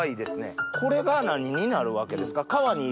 これが何になるわけですか？